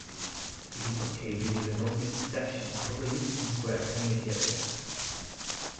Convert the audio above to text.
It is located in the north east section of the Lincoln Square community area.